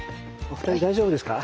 お二人大丈夫ですか？